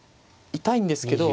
痛いんですけど。